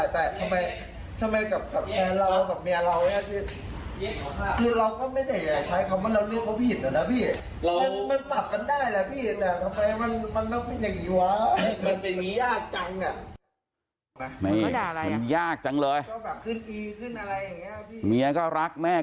ก็จะเป็นทางหาแกน้อย